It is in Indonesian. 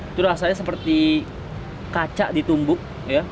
itu rasanya seperti kaca ditumbuk